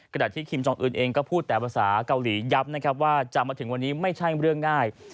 ขณะที่คิมจองอื่นเองก็พูดแต่ภาษาเกาหลียับนะครับว่าจะมาถึงวันนี้ไม่ใช่เรื่องง่าย